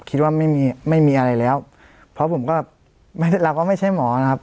คิดว่าไม่มีไม่มีอะไรแล้วเพราะผมก็ไม่เราก็ไม่ใช่หมอนะครับ